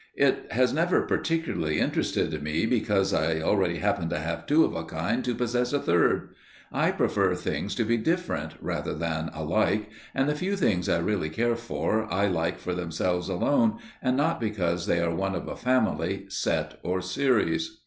It has never particularly interested me, because I already happened to have two of a kind, to possess a third. I prefer things to be different rather than alike, and the few things I really care for I like for themselves alone, and not because they are one of a family, set or series.